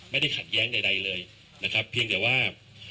ไม่ได้ขัดแย้งใดเลยนะครับเพียงแต่ว่า